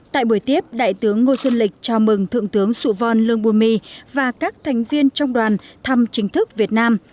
tại buổi tiếp đại tướng ngô xuân lịch chào mừng thượng tướng sụ vòn lương bùi my và các thành viên trong đoàn thăm chính thức việt nam